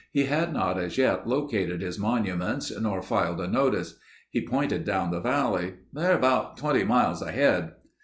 He had not as yet located his monuments nor filed a notice. He pointed down the valley. "They're about 20 miles ahead...."